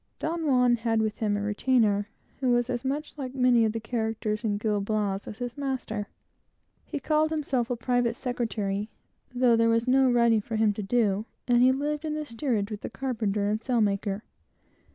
Don Juan had with him a retainer, who was as much like many of the characters in Gil Blas as his master. He called himself a private secretary, though there was no writing for him to do, and he lived in the steerage with the carpenter and sailmaker.